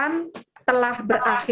dan tiga jam setelah kejadian gempa bumi